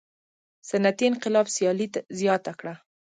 صنعتي انقلاب سیالي زیاته کړه.